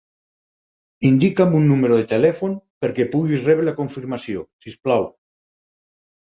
Indica'm un número de telèfon perquè puguis rebre la confirmació, si us plau.